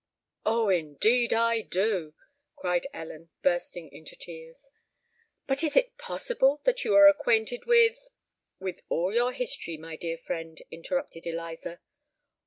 "Oh! indeed I do," cried Ellen, bursting into tears. "But is it possible that you are acquainted with——" "With all your history, my dear friend," interrupted Eliza.